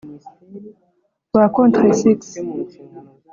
Ba contre succes